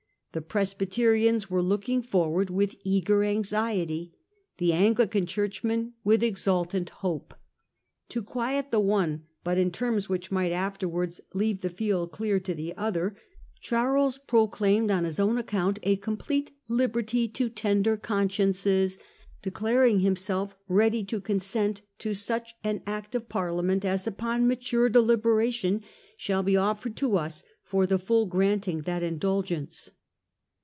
The Presbyterian was looking forwards The Church ea * er anx i ct Y» the Anglican Churchman with exultant hope. To quiet the one, but in terms which might afterwards leave the field clear to the other, Charles proclaimed on his own account a com plete 'liberty to tender consciences,' declaring himself ready ' to consent to such an Act of Parliament as, upon mature deliberation , shall be offered to us for the full granting that indulgence.